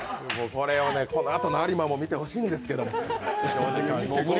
このあとの有馬も見てほしいんですけど。